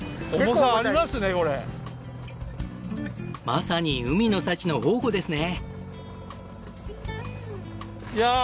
まさに海の幸の宝庫ですね。